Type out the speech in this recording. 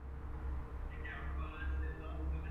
په قلم خط لیکل د ډیجیټل ستړیا مخه نیسي.